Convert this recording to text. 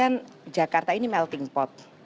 kalau dilihatkan jakarta ini melting pot